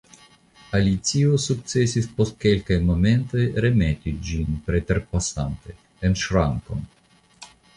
Alicio sukcesis post kelkaj momentoj remeti ĝin, preterpasante, en ŝrankon.